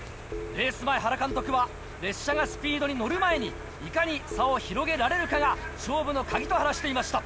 レース前原監督は列車がスピードに乗る前にいかに差を広げられるかが勝負の鍵と話していました。